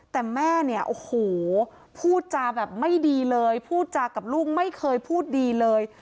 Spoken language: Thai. แต่แม่พูดจาแบบไม่ดีเลยพูดจากับลูกไม่เคยพูดดีเลย